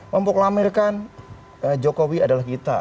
mempukulamirkan jokowi adalah kita